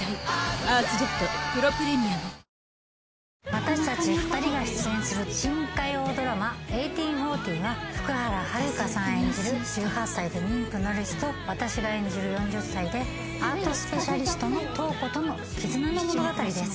私たち２人が出演する新火曜ドラマ「１８／４０」は福原遥さん演じる１８歳で妊婦の有栖と私が演じる４０歳でアートスペシャリストの瞳子との絆の物語です